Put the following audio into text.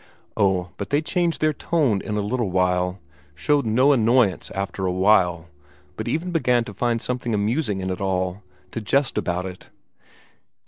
Oh, but they changed their tone in a little while; showed no annoyance after a while, but even began to find something amusing in it all, to jest about it.